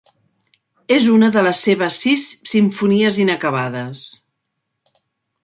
És una de les seves sis simfonies inacabades.